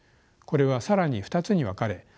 これは更に２つに分かれ